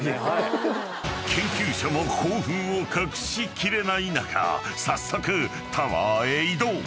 ［研究者も興奮を隠し切れない中早速タワーへ移動］